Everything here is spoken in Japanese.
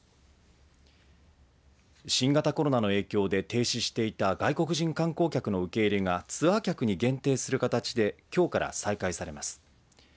新型コロナの影響で停止していた外国人観光客の受け入れがツアー客に限定する形できょうから再開されます。